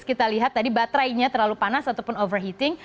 kita lihat tadi baterainya terlalu panas ataupun overheating